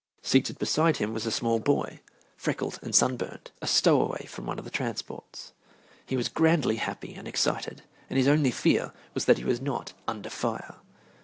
Seated beside him was a small boy, freckled and sunburned, a stowaway from one of the transports. He was grandly happy and excited, and his only fear was that he was not "under fire."